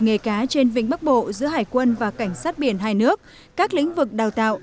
nghề cá trên vĩnh bắc bộ giữa hải quân và cảnh sát biển hai nước các lĩnh vực đào tạo